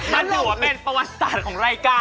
มันถือว่าเป็นประวัติศาสตร์ของรายการ